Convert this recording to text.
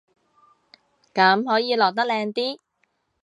咁可以落得靚啲